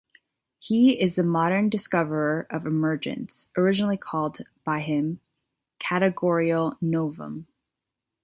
He is the modern discoverer of emergence - originally called by him "categorial novum".